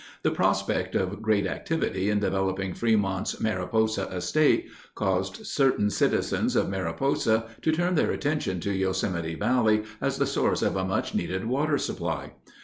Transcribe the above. The prospect of great activity in developing Frémont's "Mariposa Estate" caused certain citizens of Mariposa to turn their attention to Yosemite Valley as the source of a much needed water supply.